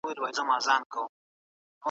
هغه وایي چې مطالعه انسان پوهوي.